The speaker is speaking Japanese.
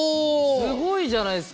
すごいじゃないですか。